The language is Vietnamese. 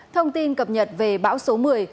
thông tin cập nhật về bão số một mươi